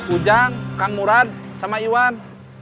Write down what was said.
ujang kang murad sama iwan